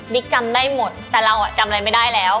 จำได้หมดแต่เราจำอะไรไม่ได้แล้ว